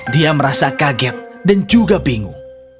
dia merasa kaget dan juga bingung